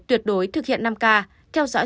tuyệt đối thực hiện năm k theo dõi